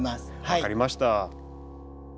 分かりました。